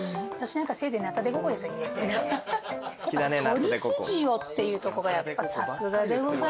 トリュフ塩っていうとこがやっぱさすがでございますよ。